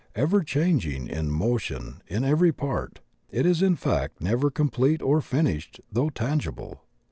Ever changing, in mo tion in every part, it is in fact never complete or fin ished though tangible.